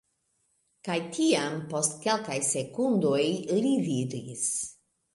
Kaj tiam, post kelkaj sekundoj, li diris: